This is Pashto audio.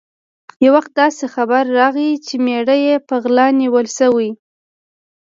یو وخت داسې خبر راغی چې مېړه یې په غلا نیول شوی.